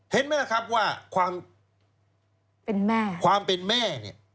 เห็นไหมครับว่าความเป็นแม่